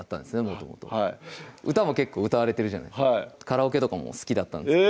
もともと歌も結構歌われてるじゃないですかカラオケとかも好きだったんです